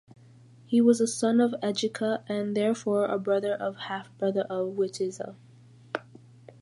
He was a son of Egica and therefore a brother or half-brother of Wittiza.